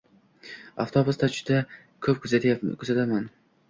Avtobusda juda ko‘p kuzataman.